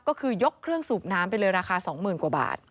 ก็คือยกเครื่องสูบน้ำไปเลยราคา๒๐๐๐กว่าบาท